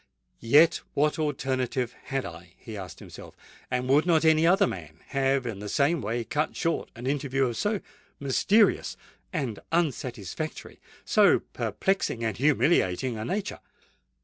"Yet what alternative had I?" he asked himself; "and would not any other man have in the same way cut short an interview of so mysterious and unsatisfactory—so perplexing and humiliating a nature?"